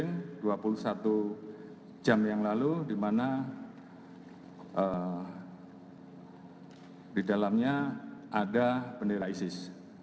yang ada di dalamnya ada dua puluh satu jam yang lalu di mana di dalamnya ada bendera isis